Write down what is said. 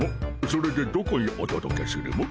それでどこにおとどけするモ？